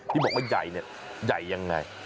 ที่บอกว่าใหญ่ใหญ่อย่างไร